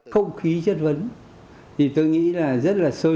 không khí chất vấn thì tôi nghĩ là rất là sôi